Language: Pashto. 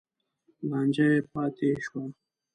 لانجه یې پاتې شوه.